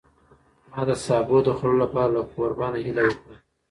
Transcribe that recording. ما د سابو د خوړلو لپاره له کوربه نه هیله وکړه.